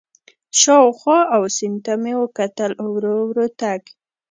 شاوخوا او سیند ته مې وکتل، ورو ورو تګ.